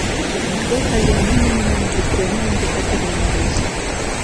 Был хәлдең нимә менән бөткәнен инде хәтерләмәй Хәҙисә.